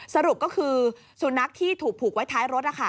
สรุปก็คือสุนัขที่ถูกผูกไว้ท้ายรถ